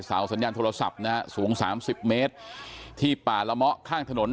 สัญญาณโทรศัพท์นะฮะสูงสามสิบเมตรที่ป่าละเมาะข้างถนน